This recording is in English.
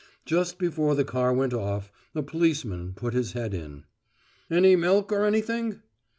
Just before the car went off, a policeman put his head in. "Any milk or anything?"